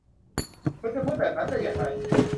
คุณจะพูดแบบนั้นได้อย่างไร ?